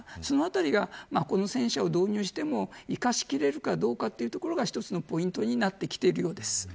そのあたりがこの戦車を導入しても生かしきれるかどうかというのが一つのポイントになってきているようです。